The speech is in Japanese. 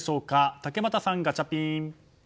竹俣さん、ガチャピン。